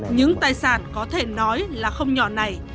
những tài sản có thể nói là không nhỏ này